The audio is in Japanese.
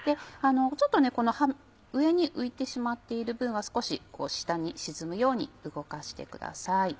ちょっとこの上に浮いてしまっている分は少し下に沈むように動かしてください。